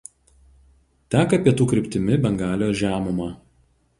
Teka pietų kryptimi Bengalijos žemuma.